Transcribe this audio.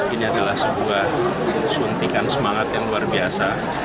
ini adalah sebuah suntikan semangat yang luar biasa